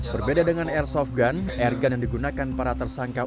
berbeda dengan airsoft gun airgun yang digunakan para tersangka